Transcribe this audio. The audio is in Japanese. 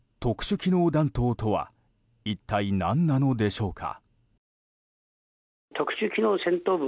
特殊機能弾頭とは一体、何なのでしょうか？